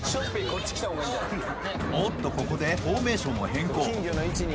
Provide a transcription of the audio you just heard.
おおっとここでフォーメーションを変更